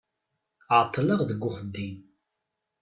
Ɛeṭṭleɣ deg uxeddim.